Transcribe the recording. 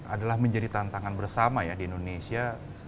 adalah menjadi tantangan bersama ya di indonesia